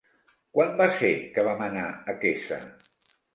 Quan va ser que vam anar a Quesa?